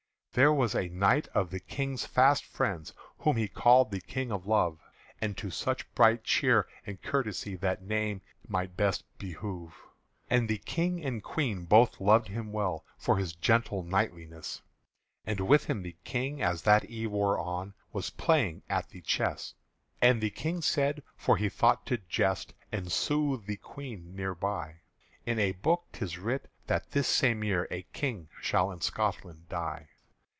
There was a knight of the King's fast friends Whom he called the King of Love; And to such bright cheer and courtesy That name might best behove. And the King and Queen both loved him well For his gentle knightliness; And with him the King, as that eve wore on, Was playing at the chess. And the King said (for he thought to jest And soothe the Queen thereby), "In a book 'tis writ that this same year A King shall in Scotland die.